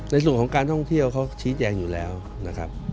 ในส่วนของการท่องเที่ยวเขาชี้แจงอยู่แล้วนะครับ